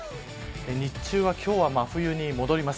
日中は、今日は真冬に戻ります。